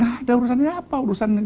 tidak ada urusan apa urusan tidak ada